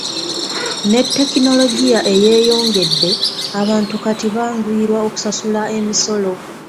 Ne tekinologiya eyeeyongedde, abantu kati banguyirwa okusasula emisolo.